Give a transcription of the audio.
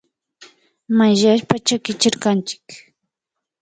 Mayllashpa chakichirkanchik